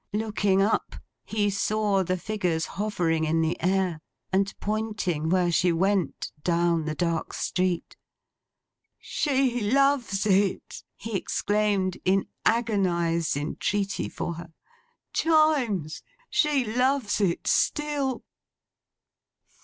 Looking up, he saw the figures hovering in the air, and pointing where she went, down the dark street. 'She loves it!' he exclaimed, in agonised entreaty for her. 'Chimes! she loves it still!